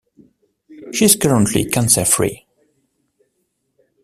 She is currently cancer free.